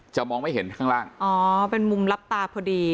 มองไม่เห็นข้างล่างอ๋อเป็นมุมลับตาพอดี